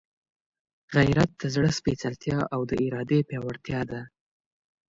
غیرت د زړه سپېڅلتیا او د ارادې پیاوړتیا ده.